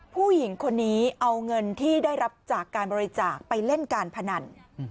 ผู้หญิงคนนี้เอาเงินที่ได้รับจากการบริจาคไปเล่นการพนัน